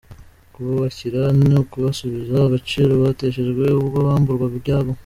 Kububakira ni ukubasubiza agaciro bateshejwe ubwo bamburwaga ibyabo.